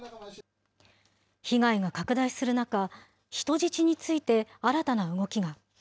被害が拡大する中、人質について新たな動きが。